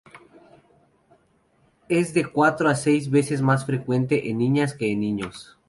Es de cuatro a seis veces más frecuente en niñas que en niños.